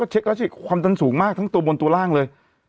เช็คแล้วสิความดันสูงมากทั้งตัวบนตัวล่างเลย